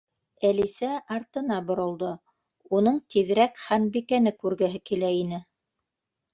Әлисә артына боролдо —уның тиҙерәк Ханбикәне күргеһе килә ине.